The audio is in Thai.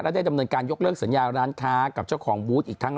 ได้ดำเนินการยกเลิกสัญญาร้านค้ากับเจ้าของบูธอีกครั้ง